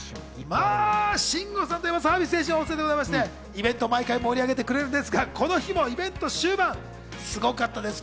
まぁ、慎吾さんといえばサービス精神旺盛でございまして、イベントを毎回盛り上げてくれるんですが、この日もイベント終盤、すごかったです。